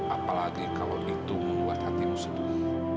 apalagi kalau itu membuat hatimu sedih